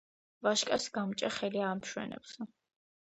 ვაჟკაცს გამრჯე ხელი ამშვენებსო